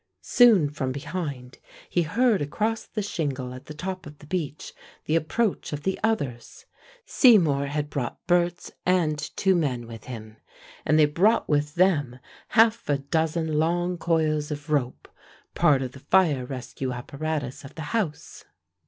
Soon from behind, he heard across the shingle at the top of the beach the approach of the others. Seymour had brought Berts and two men with him, and they brought with them half a dozen long coils of rope, part of the fire rescue apparatus of the house.